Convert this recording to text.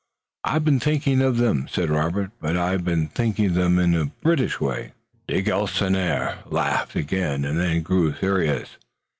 "I have been thinking of them," said Robert, "but I've been thinking of them in a British way." De Galisonnière laughed again and then grew serious.